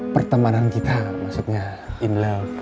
pertemanan kita maksudnya in love